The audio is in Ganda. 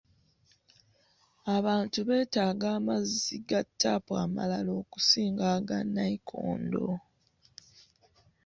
Abantu beetaaga amazzi ga ttaapu amalala okusinga aga nayikondo.